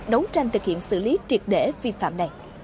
đấu tranh thực hiện xử lý triệt để vi phạm này